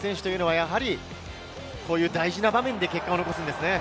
こういう大事な場面で結果を残すんですよね。